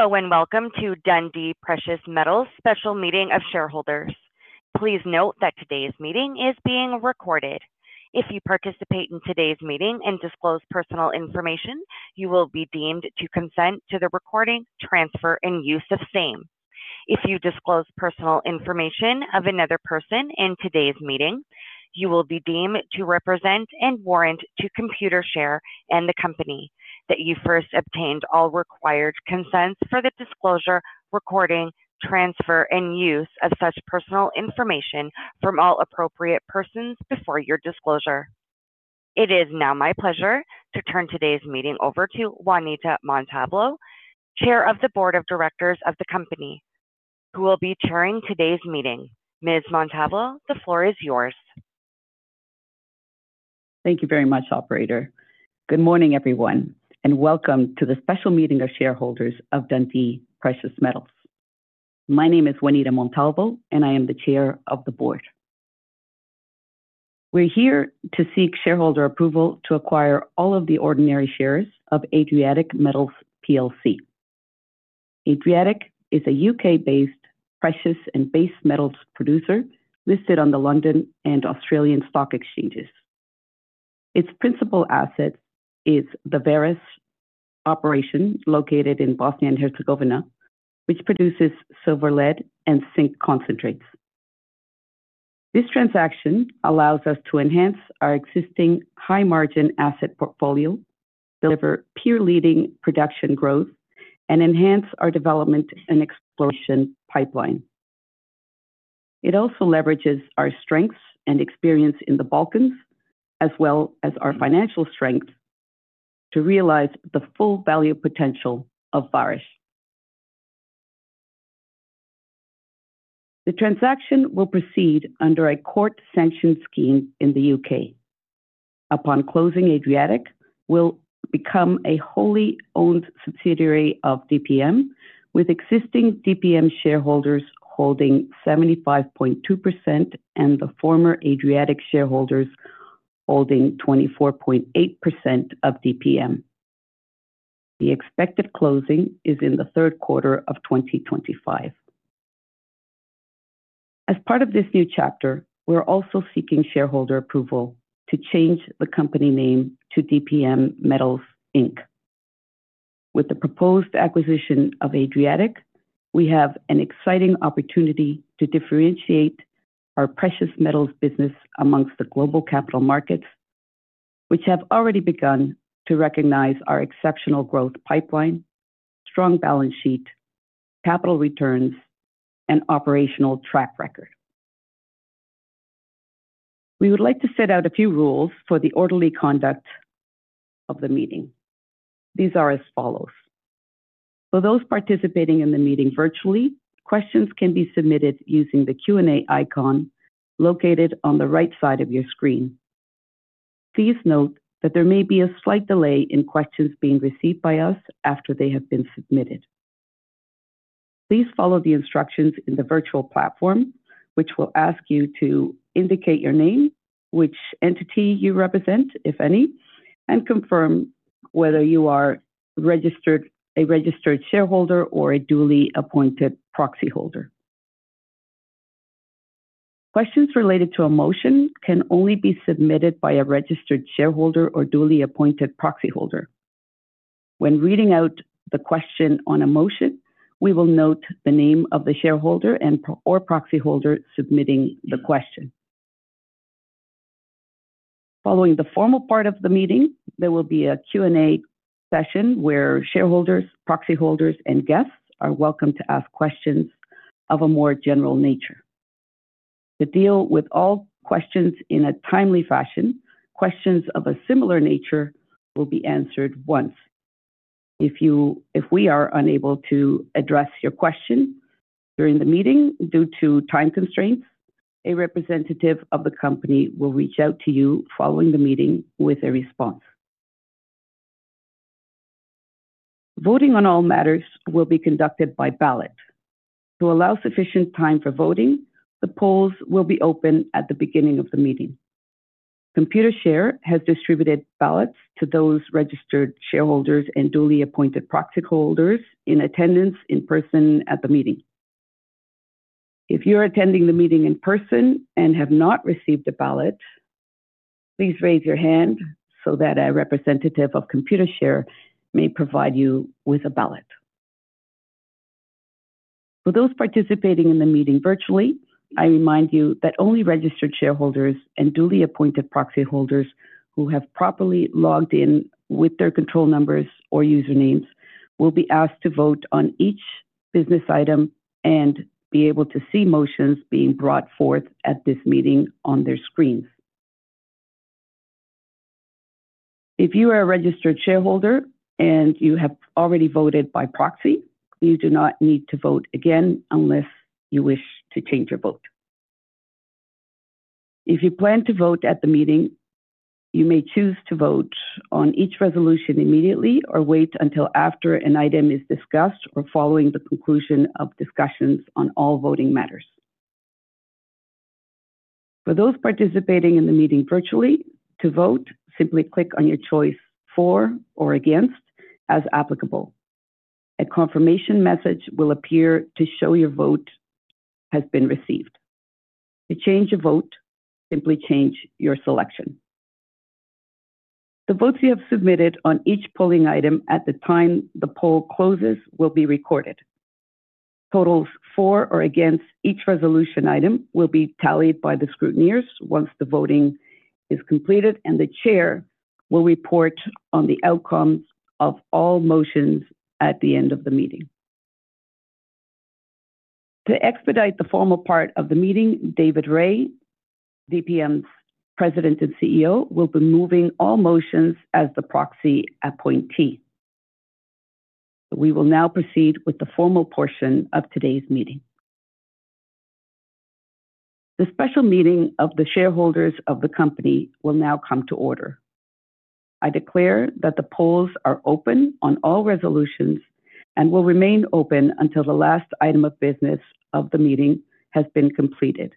Hello and welcome to Dundee Precious Metals' special meeting of shareholders. Please note that today's meeting is being recorded. If you participate in today's meeting and disclose personal information, you will be deemed to consent to the recording, transfer, and use of same. If you disclose personal information of another person in today's meeting, you will be deemed to represent and warrant to Computershare and the company that you first obtained all required consents for the disclosure, recording, transfer, and use of such personal information from all appropriate persons before your disclosure. It is now my pleasure to turn today's meeting over to Juanita Montalvo, Chair of the Board of Directors of the company, who will be chairing today's meeting. Ms. Montalvo, the floor is yours. Thank you very much, Operator. Good morning, everyone, and welcome to the special meeting of shareholders of Dundee Precious Metals. My name is Juanita Montalvo, and I am the Chair of the Board. We're here to seek shareholder approval to acquire all of the ordinary shares of Adriatic Metals PLC. Adriatic is a U.K.-based precious and base metals producer listed on the London and Australian Stock Exchanges. Its principal asset is the Vareš operation located in Bosnia and Herzegovina, which produces silver, lead, and zinc concentrates. This transaction allows us to enhance our existing high-margin asset portfolio, deliver peer-leading production growth, and enhance our development and exploration pipeline. It also leverages our strengths and experience in the Balkans, as well as our financial strength, to realize the full value potential of Vares. The transaction will proceed under a court-sanctioned scheme in the U.K. Upon closing, Adriatic will become a wholly owned subsidiary of DPM, with existing DPM shareholders holding 75.2% and the former Adriatic shareholders holding 24.8% of DPM. The expected closing is in the third quarter of 2025. As part of this new chapter, we're also seeking shareholder approval to change the company name to DPM Metals Inc. With the proposed acquisition of Adriatic, we have an exciting opportunity to differentiate our precious metals business amongst the global capital markets, which have already begun to recognize our exceptional growth pipeline, strong balance sheet, capital returns, and operational track record. We would like to set out a few rules for the orderly conduct of the meeting. These are as follows. For those participating in the meeting virtually, questions can be submitted using the Q&A icon located on the right side of your screen. Please note that there may be a slight delay in questions being received by us after they have been submitted. Please follow the instructions in the virtual platform, which will ask you to indicate your name, which entity you represent, if any, and confirm whether you are a registered shareholder or a duly appointed proxy holder. Questions related to a motion can only be submitted by a registered shareholder or duly appointed proxy holder. When reading out the question on a motion, we will note the name of the shareholder and/or proxy holder submitting the question. Following the formal part of the meeting, there will be a Q&A session where shareholders, proxy holders, and guests are welcome to ask questions of a more general nature. To deal with all questions in a timely fashion, questions of a similar nature will be answered once. If we are unable to address your question during the meeting due to time constraints, a representative of the company will reach out to you following the meeting with a response. Voting on all matters will be conducted by ballot. To allow sufficient time for voting, the polls will be open at the beginning of the meeting. Computershare has distributed ballots to those registered shareholders and duly appointed proxy holders in attendance in person at the meeting. If you are attending the meeting in person and have not received a ballot, please raise your hand so that a representative of Computershare may provide you with a ballot. For those participating in the meeting virtually, I remind you that only registered shareholders and duly appointed proxy holders who have properly logged in with their control numbers or usernames will be asked to vote on each business item and be able to see motions being brought forth at this meeting on their screens. If you are a registered shareholder and you have already voted by proxy, you do not need to vote again unless you wish to change your vote. If you plan to vote at the meeting, you may choose to vote on each resolution immediately or wait until after an item is discussed or following the conclusion of discussions on all voting matters. For those participating in the meeting virtually, to vote, simply click on your choice for or against as applicable. A confirmation message will appear to show your vote has been received. To change your vote, simply change your selection. The votes you have submitted on each polling item at the time the poll closes will be recorded. Totals for or against each resolution item will be tallied by the scrutineers once the voting is completed, and the Chair will report on the outcome of all motions at the end of the meeting. To expedite the formal part of the meeting, David Rae, DPM's President and CEO, will be moving all motions as the proxy appointee. We will now proceed with the formal portion of today's meeting. The special meeting of the shareholders of the company will now come to order. I declare that the polls are open on all resolutions and will remain open until the last item of business of the meeting has been completed.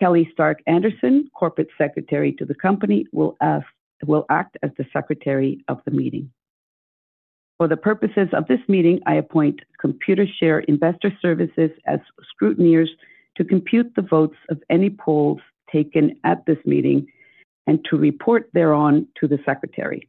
Kelly Stark-Anderson, Corporate Secretary to the Company, will act as the Secretary of the meeting. For the purposes of this meeting, I appoint Computershare Investor Services as scrutineers to compute the votes of any polls taken at this meeting and to report thereon to the Secretary.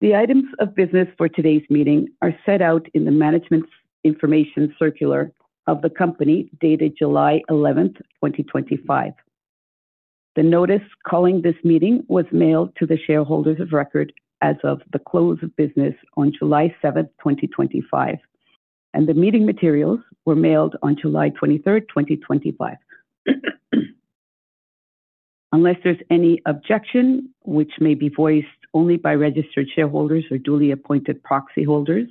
The items of business for today's meeting are set out in the Management Information Circular of the Company dated July 11th, 2025. The notice calling this meeting was mailed to the shareholders of record as of the close of business on July 7th, 2025, and the meeting materials were mailed on July 23rd, 2025. Unless there's any objection, which may be voiced only by registered shareholders or duly appointed proxy holders,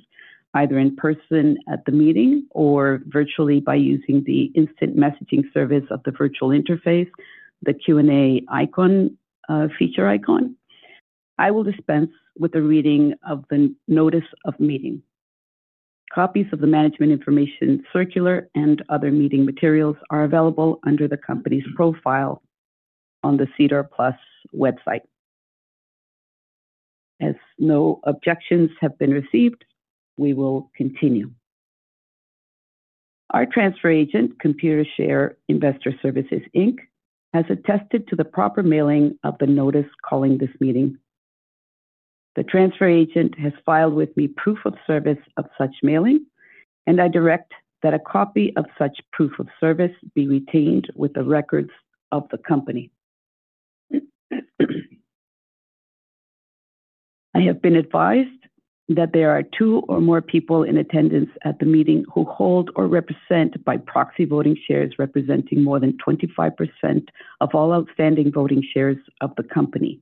either in person at the meeting or virtually by using the instant messaging service of the virtual interface, the Q&A icon, feature icon, I will dispense with a reading of the notice of meeting. Copies of the Management Information Circular and other meeting materials are available under the Company's profile on the SEDAR+ website. As no objections have been received, we will continue. Our transfer agent, Computershare Investor Services Inc., has attested to the proper mailing of the notice calling this meeting. The transfer agent has filed with me proof of service of such mailing, and I direct that a copy of such proof of service be retained with the records of the Company. I have been advised that there are two or more people in attendance at the meeting who hold or represent by proxy voting shares representing more than 25% of all outstanding voting shares of the Company.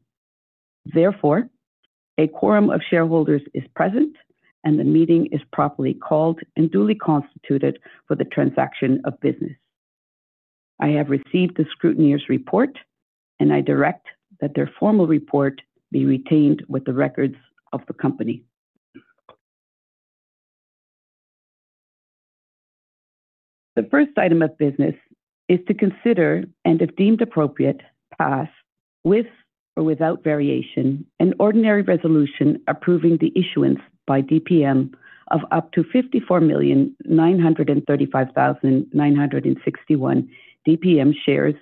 Therefore, a quorum of shareholders is present and the meeting is properly called and duly constituted for the transaction of business. I have received the scrutineer's report, and I direct that their formal report be retained with the records of the Company. The first item of business is to consider, and if deemed appropriate, pass with or without variation, an ordinary resolution approving the issuance by DPM of up to 54,935,961 DPM shares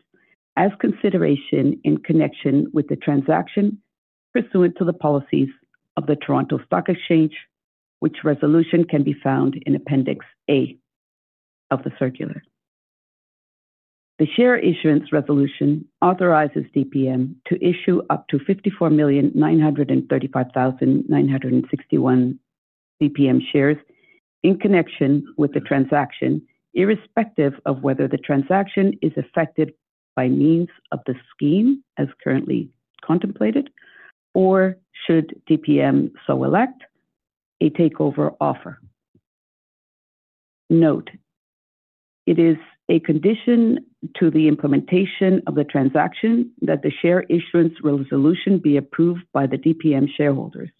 as consideration in connection with the transaction pursuant to the policies of the Toronto Stock Exchange, which resolution can be found in Appendix A of the circular. The share issuance resolution authorizes DPM to issue up to 54,935,961 DPM shares in connection with the transaction, irrespective of whether the transaction is effected by means of the scheme as currently contemplated or, should DPM so elect, a takeover offer. Note, it is a condition to the implementation of the transaction that the share issuance resolution be approved by the DPM shareholders.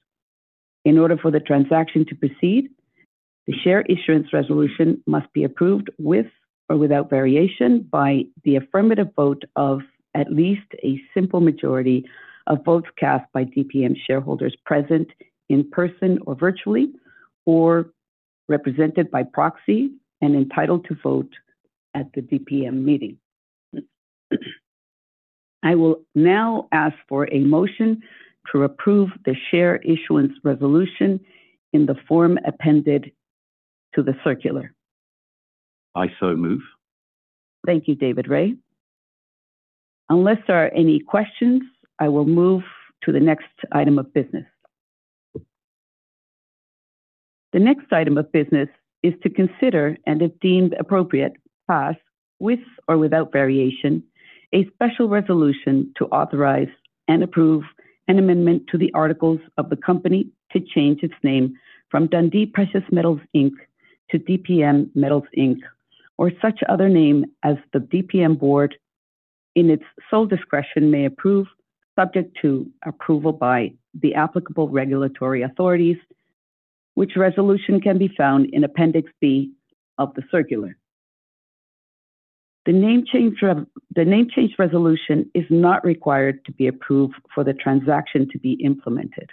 In order for the transaction to proceed, the share issuance resolution must be approved with or without variation by the affirmative vote of at least a simple majority of votes cast by DPM shareholders present in person or virtually, or represented by proxy and entitled to vote at the DPM meeting. I will now ask for a motion to approve the share issuance resolution in the form appended to the circular. I so move. Thank you, David Rae. Unless there are any questions, I will move to the next item of business. The next item of business is to consider, and if deemed appropriate, pass with or without variation, a special resolution to authorize and approve an amendment to the articles of the company to change its name from Dundee Precious Metals Inc. to DPM Metals Inc., or such other name as the DPM Board in its sole discretion may approve, subject to approval by the applicable regulatory authorities, which resolution can be found in Appendix B of the circular. The name change resolution is not required to be approved for the transaction to be implemented.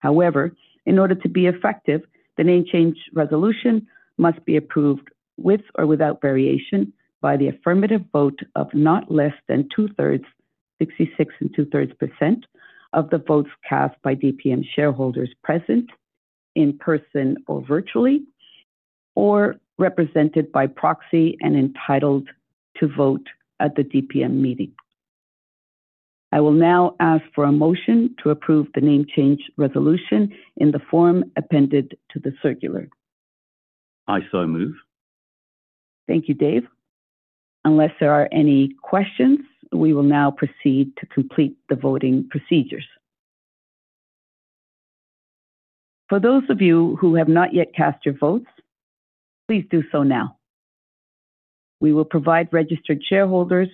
However, in order to be effective, the name change resolution must be approved with or without variation by the affirmative vote of not less than 2/3, 66.2% of the votes cast by DPM shareholders present in person or virtually, or represented by proxy and entitled to vote at the DPM meeting. I will now ask for a motion to approve the name change resolution in the form appended to the circular. I so move. Thank you, Dave. Unless there are any questions, we will now proceed to complete the voting procedures. For those of you who have not yet cast your votes, please do so now. We will provide registered shareholders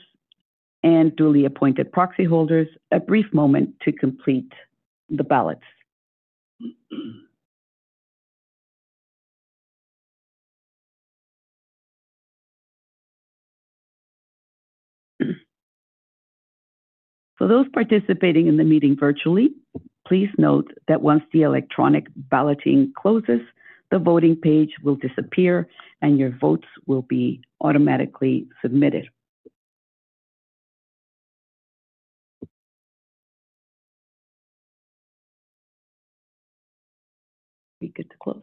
and duly appointed proxy holders a brief moment to complete the ballots. For those participating in the meeting virtually, please note that once the electronic balloting closes, the voting page will disappear and your votes will be automatically submitted. Be good to close.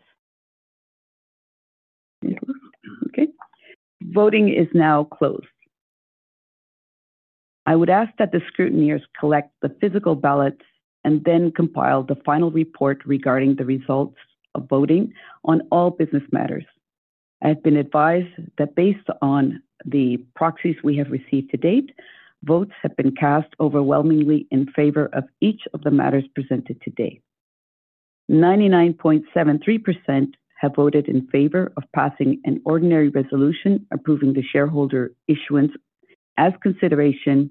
Okay. Voting is now closed. I would ask that the scrutineers collect the physical ballot and then compile the final report regarding the results of voting on all business matters. I have been advised that based on the proxies we have received to date, votes have been cast overwhelmingly in favor of each of the matters presented today. 99.73% have voted in favor of passing an ordinary resolution approving the shareholder issuance as consideration,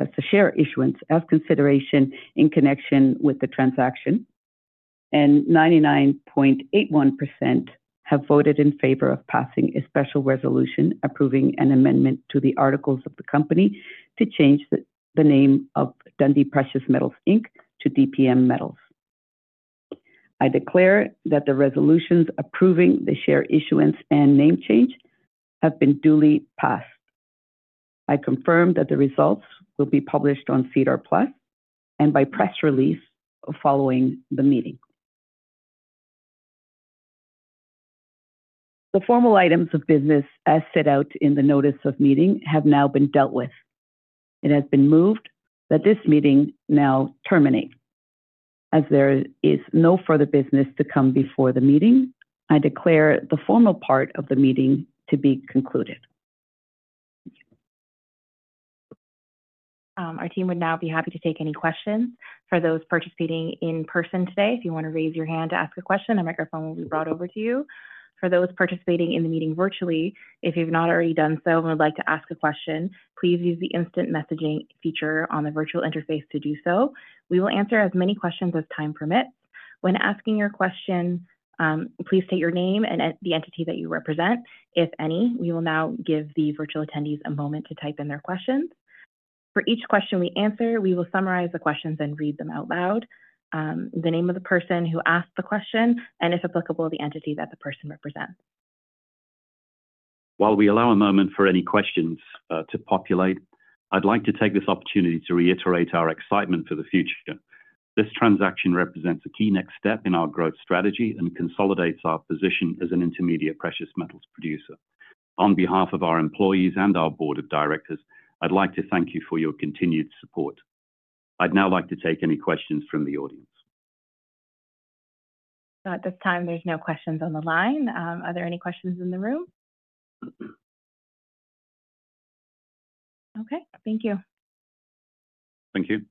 as the share issuance as consideration in connection with the transaction, and 99.81% have voted in favor of passing a special resolution approving an amendment to the articles of the company to change the name of Dundee Precious Metals Inc. to DPM Metals. I declare that the resolutions approving the share issuance and name change have been duly passed. I confirm that the results will be published on SEDAR+ and by press release following the meeting. The formal items of business as set out in the notice of meeting have now been dealt with. It has been moved that this meeting now terminate. As there is no further business to come before the meeting, I declare the formal part of the meeting to be concluded. Our team would now be happy to take any questions. For those participating in person today, if you want to raise your hand to ask a question, a microphone will be brought over to you. For those participating in the meeting virtually, if you've not already done so and would like to ask a question, please use the instant messaging feature on the virtual interface to do so. We will answer as many questions as time permits. When asking your question, please state your name and the entity that you represent, if any. We will now give the virtual attendees a moment to type in their questions. For each question we answer, we will summarize the questions and read them out loud, including the name of the person who asked the question and, if applicable, the entity that the person represents. While we allow a moment for any questions to populate, I'd like to take this opportunity to reiterate our excitement for the future. This transaction represents a key next step in our growth strategy and consolidates our position as an intermediate precious metals producer. On behalf of our employees and our Board of Directors, I'd like to thank you for your continued support. I'd now like to take any questions from the audience. At this time, there's no questions on the line. Are there any questions in the room? Okay, thank you. Thank you.